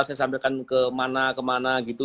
saya sampaikan kemana kemana gitu